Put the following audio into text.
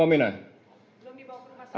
belum dibawa ke rumah